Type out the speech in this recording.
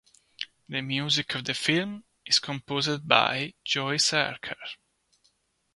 The music of the film is composed by Joy Sarkar.